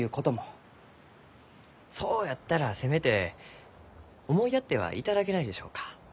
そうやったらせめて思いやってはいただけないでしょうか？